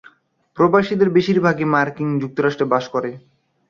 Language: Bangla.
প্রবাসীদের বেশির ভাগই মার্কিন যুক্তরাষ্ট্রে বাস করে।